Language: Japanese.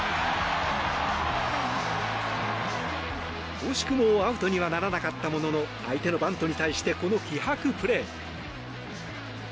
惜しくもアウトにはならなかったものの相手のバントに対してこの気迫プレー。